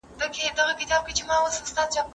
که مورنۍ ژبه وي، نو بې پروایي نه راځي.